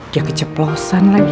dia keceplosan lagi